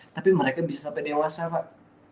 tapi mereka bisa sampai dewasa pak